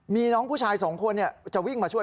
มีน้องผู้ชายสองคนจะวิ่งมาช่วย